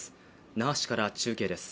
那覇市から中継です